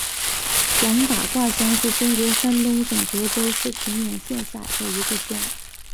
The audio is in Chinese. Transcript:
王打卦乡是中国山东省德州市平原县下辖的一个乡。